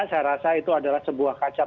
saya rasa itu adalah sebuah kaca